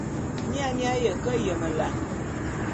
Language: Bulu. Mia mi aye ke yemelane.